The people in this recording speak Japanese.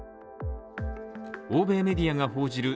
欧米メディアが報じる